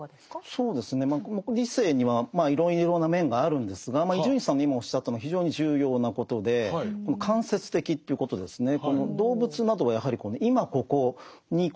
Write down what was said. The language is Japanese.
そうですねまあ理性にはいろいろな面があるんですが伊集院さんの今おっしゃったのは非常に重要なことでこの間接的ということですね。